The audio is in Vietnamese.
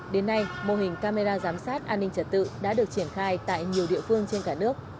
đến nay mô hình camera giám sát an ninh trật tự đã được triển khai tại nhiều địa phương trên cả nước